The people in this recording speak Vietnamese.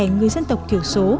người dân tộc thiểu số